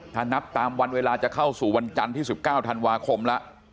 ถ้านับตามวันเวลาจะเข้าสู่วันจันทร์ที่๑๙ธันวาคมแล้ว